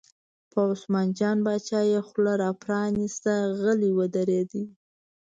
په عثمان جان باچا یې خوله را پرانسته، غلی ودرېد.